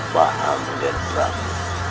paham nger prabu